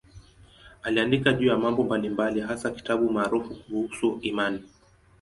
Aliandika juu ya mambo mbalimbali, hasa kitabu maarufu kuhusu imani.